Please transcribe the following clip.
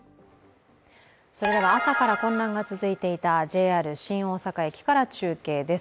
それでは朝から混乱が続いていたＪＲ新大阪駅から中継です。